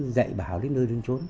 dạy bảo đến nơi đứng trốn